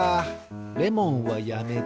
レモンはやめて。